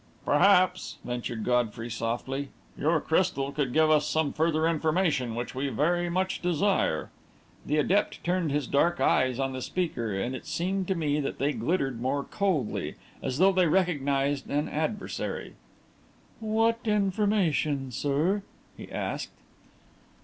"Perhaps," ventured Godfrey, softly, "your crystal could give us some further information which we very much desire." The adept turned his dark eyes on the speaker, and it seemed to me that they glittered more coldly, as though they recognised an adversary. "What information, sir?" he asked.